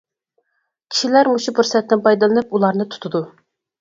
كىشىلەر مۇشۇ پۇرسەتتىن پايدىلىنىپ ئۇلارنى تۇتىدۇ.